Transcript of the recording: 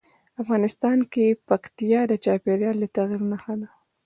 افغانستان کې پکتیا د چاپېریال د تغیر نښه ده.